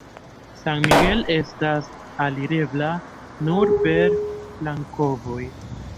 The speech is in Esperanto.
San Miguel estas alirebla nur per flankovoj.